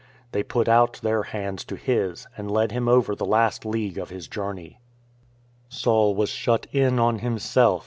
They put out their hands to his, and led him over the last league of his journey. Saul was shut in on himself.